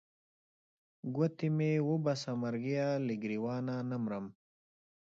ګوتې مې وباسه مرګیه له ګرېوانه نه مرم.